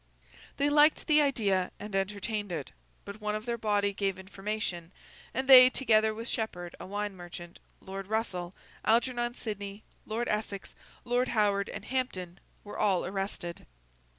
They liked the idea, and entertained it. But, one of their body gave information; and they, together with Shepherd a wine merchant, Lord Russell, Algernon Sidney, Lord Essex, Lord Howard, and Hampden, were all arrested.